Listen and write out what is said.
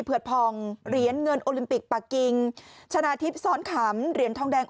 เผือดพองเหรียญเงินโอลิมปิกปะกิงชนะทิพย์ซ้อนขำเหรียญทองแดง